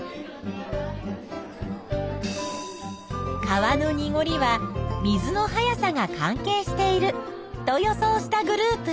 川のにごりは水の速さが関係していると予想したグループ。